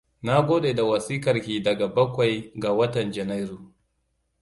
Na gode da wasikarki daga bakwai ga watan Janairu.